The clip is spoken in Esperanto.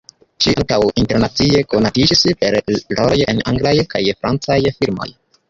Ŝi ankaŭ internacie konatiĝis per roloj en anglaj kaj francaj filmoj.